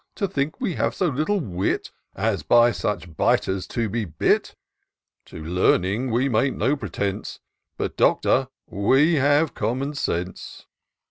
To think we have so little wt, As by such biters to be bit ? To learning we make no pretence : But, Doctor, we have common sense.